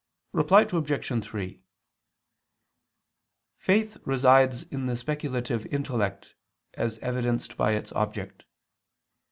Reply Obj. 3: Faith resides in the speculative intellect, as evidenced by its object.